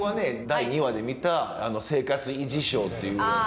第２話で見た「生活維持省」っていうやつで。